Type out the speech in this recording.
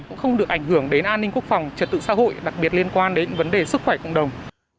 cũng không được ảnh hưởng đến an ninh quốc phòng trật tự xã hội đặc biệt liên quan đến vấn đề sức khỏe cộng đồng